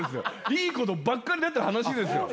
いいことばっかりだって話ですよ。